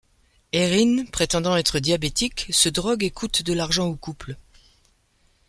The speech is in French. Erin, prétendant être diabétique, se drogue et coûte de l'argent au couple.